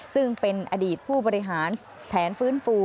ซึ่งเป็นอดีตผู้บริหารแผนฟื้นฟู